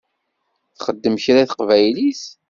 Texdem kra i teqbaylit?